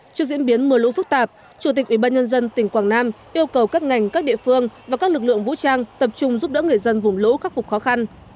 trước diễn biến mưa lũ phức tạp chủ tịch ủy ban nhân dân tỉnh quảng nam yêu cầu các ngành các địa phương và các lực lượng vũ trang tập trung giúp đỡ người dân vùng lũ khắc phục khó khăn